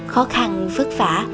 khó khăn phức phả